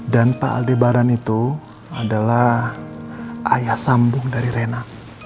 dan pak aldebaran itu adalah ayah sambung dari reina